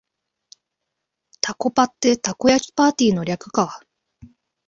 タコパってたこ焼きパーティーの略か